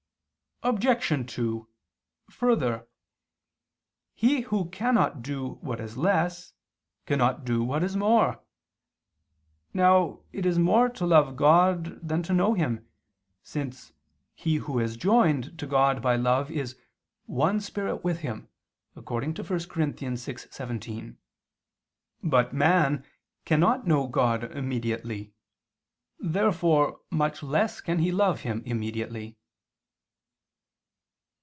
Obj. 2: Further, he who cannot do what is less, cannot do what is more. Now it is more to love God than to know Him, since "he who is joined" to God by love, is "one spirit with Him" (1 Cor. 6:17). But man cannot know God immediately. Therefore much less can he love Him immediately.